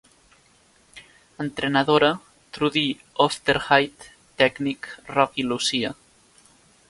Entrenadora, Trudi Aufderheide; tècnic, Rocky Lucia.